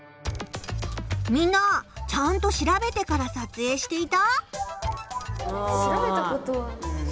みんなちゃんと調べてから撮影していた？